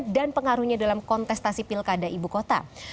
dan pengaruhnya dalam kontestasi pilkada ibu kota